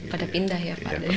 pada pindah ya pak dari bandung